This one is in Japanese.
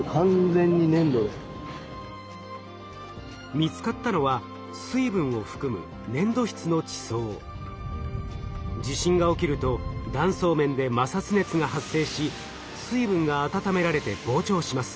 見つかったのは水分を含む地震が起きると断層面で摩擦熱が発生し水分が温められて膨張します。